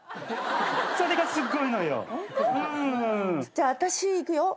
じゃあ私いくよ。